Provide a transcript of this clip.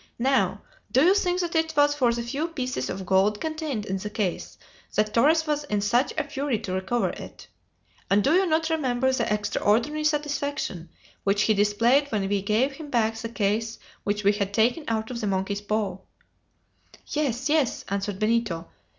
Now, do you think that it was for the few pieces of gold contained in the case that Torres was in such a fury to recover it? and do you not remember the extraordinary satisfaction which he displayed when we gave him back the case which we had taken out of the monkey's paw?" "Yes! yes!" answered Benito.